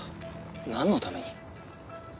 なんのために？